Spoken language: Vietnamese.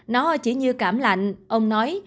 nó chỉ như cảm lạnh ông nói